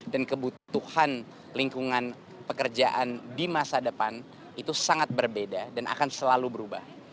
dan kebutuhan lingkungan pekerjaan di masa depan itu sangat berbeda dan akan selalu berubah